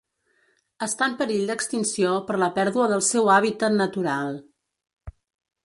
Està en perill d'extinció per la pèrdua del seu hàbitat natural.